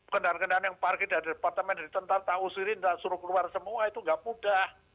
kendaraan kendaraan yang parkir dari departemen dari tentang tak usirin tak suruh keluar semua itu gak mudah